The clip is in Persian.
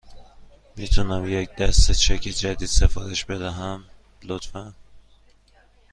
می تونم یک دسته چک جدید سفارش بدهم، لطفاً؟